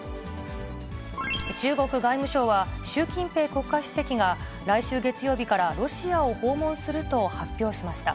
中国外務省は、習近平国家主席が、来週月曜日からロシアを訪問すると発表しました。